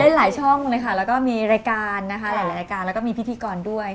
เล่นหลายช่องแล้วก็มีรายการแล้วก็มีพิพีกรด้วยค่ะ